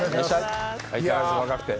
相変わらず若くて。